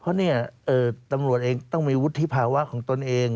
เพราะเนี่ยตำรวจเองต้องมีวุฒิภาวะของตนเอง